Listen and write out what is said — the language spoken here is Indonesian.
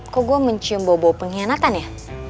kok gue mencium bau bau pengkhianatan ya